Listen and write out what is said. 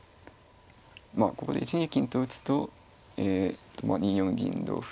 まあここで１二金と打つとえっと２四銀同歩